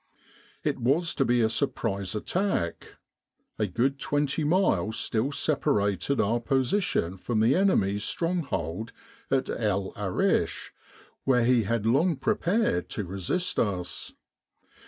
It was to be a surprise attack. A good twenty miles still separated our position from the enemy's stronghold at El Arish where he had long prepared to resist us.